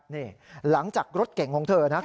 นี่หลังจากรถเก่งของเธอนะ